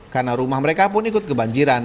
karena rumah mereka pun ikut kebanjiran